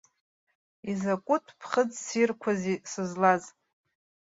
Изакәытә ԥхыӡ ссирқәази сызлаз.